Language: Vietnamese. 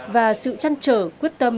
và sự chăn trở quyết tâm